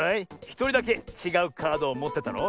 ひとりだけちがうカードをもってたろ？